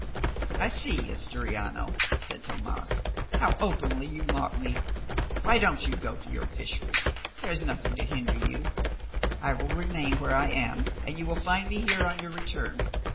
"I see, Asturiano," said Tomas, "how openly you mock me. Why don't you go to your fisheries? There is nothing to hinder you. I will remain where I am, and you will find me here on your return.